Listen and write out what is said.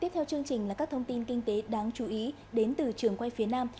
tiếp theo chương trình là các thông tin kinh tế đáng chú ý đến từ trường quay phía nam